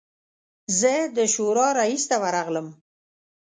زه د شورا رییس ته ورغلم.